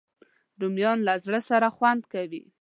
رومیان له زړه سره خوند کوي